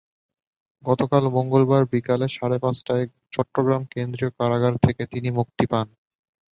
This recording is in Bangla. গতকাল মঙ্গলবার বিকেল সাড়ে পাঁচটায় চট্টগ্রাম কেন্দ্রীয় কারাগার থেকে তিনি মুক্তি পান।